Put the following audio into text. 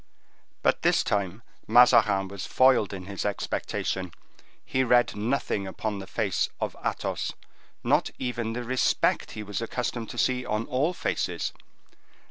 But this time Mazarin was foiled in his expectation: he read nothing upon the face of Athos, not even the respect he was accustomed to see on all faces.